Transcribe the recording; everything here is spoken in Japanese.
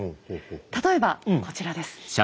例えばこちらです。